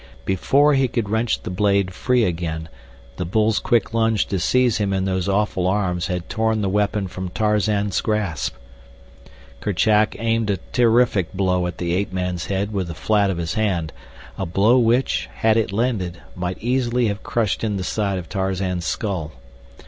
Before he could wrench the blade free again, the bull's quick lunge to seize him in those awful arms had torn the weapon from Tarzan's grasp. Kerchak aimed a terrific blow at the ape man's head with the flat of his hand, a blow which, had it landed, might easily have crushed in the side of Tarzan's skull.